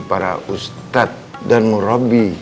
para ustadz dan murabi